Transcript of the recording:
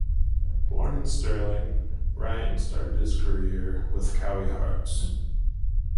Born in Stirling, Ryan started his career with Cowie Hearts.